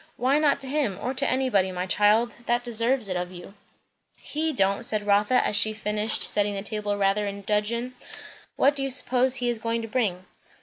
"Why not to him, or to anybody, my child, that deserves it of you?" "He don't!" said Rotha, as she finished setting the table, rather in dudgeon. "What do you suppose he is going to bring?"